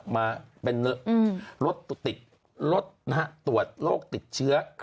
มาเป็นรถติดรถตรวจโรคติดเชื้อ